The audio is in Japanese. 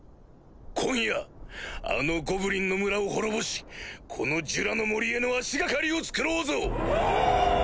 今夜あのゴブリンの村を滅ぼしこのジュラの森への足掛かりを作ろうぞ！